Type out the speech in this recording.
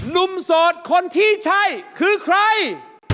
หนุ่มสดคนที่ใช่คือใคร